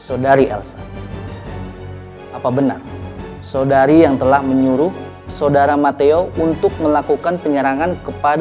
saudari elsa apa benar saudari yang telah menyuruh saudara mateo untuk melakukan penyerangan kepada